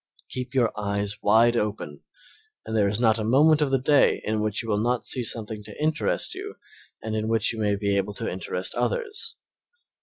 Keep your eyes wide open and there is not a moment of the day in which you will not see something to interest you and in which you may be able to interest others.